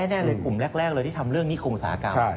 แน่เลยกลุ่มแรกเลยที่ทำเรื่องนิคมอุตสาหกรรม